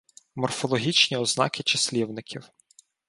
Морфологічні ознаки числівників